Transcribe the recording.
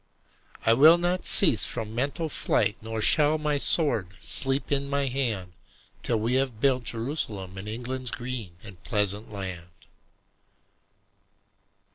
I will not cease from mental fight, Nor shall my sword sleep in my hand Till we have built Jerusalem In England's green and pleasant land.